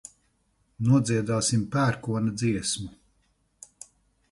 Nodziedāsim pērkona dziesmu.